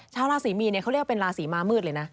ชาวราศีมีนเขาเรียกว่าเป็นราศีม้ามืดเลยนะ